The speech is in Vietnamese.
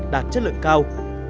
đạt chất lượng cao